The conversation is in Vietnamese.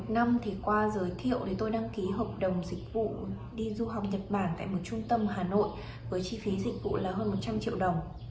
nhưng không phải đối tượng